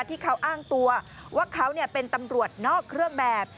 ที่เขาอ้างตัวว่าเขาเป็นตำรวจนอกเครื่องแบบ